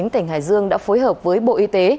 tỉnh hải dương đã phối hợp với bộ y tế